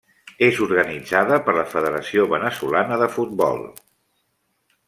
És organitzada per la Federació Veneçolana de Futbol.